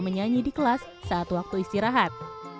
menyanyi di kelas saat waktu istirahat